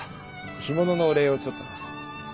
干物のお礼をちょっとな。